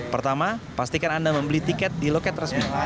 pertama pastikan anda membeli tiket di loket resmi